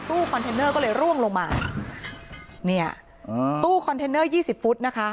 คอนเทนเนอร์ก็เลยร่วงลงมาเนี่ยอ่าตู้คอนเทนเนอร์ยี่สิบฟุตนะคะ